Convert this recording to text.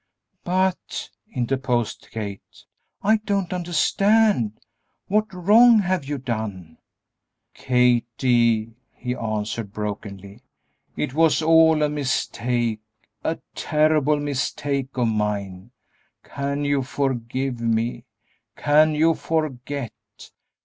"But," interposed Kate, "I don't understand; what wrong have you done?" "Kathie," he answered, brokenly, "it was all a mistake a terrible mistake of mine! Can you forgive me? Can you forget?